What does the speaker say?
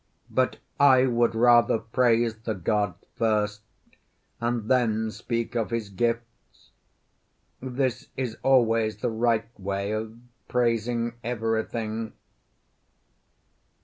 But I would rather praise the god first, and then speak of his gifts; this is always the right way of praising everything.